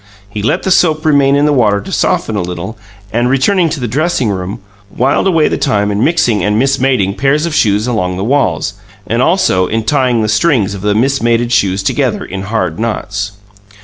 He let the soap remain in the water to soften a little, and, returning to the dressing room, whiled away the time in mixing and mismating pairs of shoes along the walls, and also in tying the strings of the mismated shoes together in hard knots.